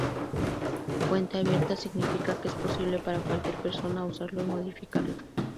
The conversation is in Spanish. Fuente abierta significa que es posible para cualquier persona usarlo y modificarlo.